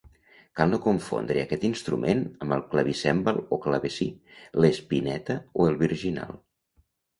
Cal no confondre aquest instrument amb el clavicèmbal o clavecí, l'espineta o el virginal.